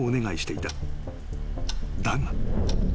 ［だが］